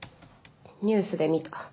ニュースで見た。